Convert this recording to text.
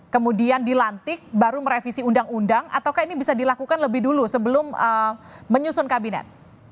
kemudian dilantik baru merevisi undang undang ataukah ini bisa dilakukan lebih dulu sebelum menyusun kabinet